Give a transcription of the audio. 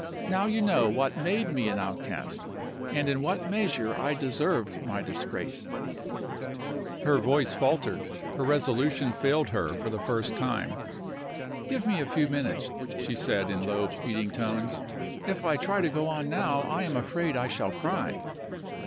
now you know what made me an outcast, and in what measure I deserved my disgrace." Her voice faltered, her resolution failed her, for the first time. "Give me a few minutes," she said, in low, pleading tones. "If I try to go on now, I am afraid I shall cry."